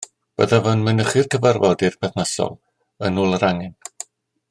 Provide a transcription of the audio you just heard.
Byddaf yn mynychu'r cyfarfodydd perthnasol yn ôl yr angen